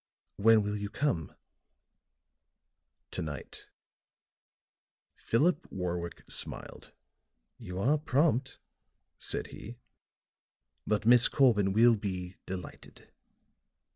"When will you come?" "To night." Philip Warwick smiled. "You are prompt," said he. "But Miss Corbin will be delighted."